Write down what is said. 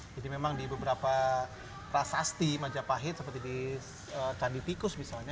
jadi memang di beberapa prasasti majapahit seperti di candi tikus misalnya